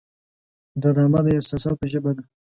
ډرامه د احساساتو ژبه ده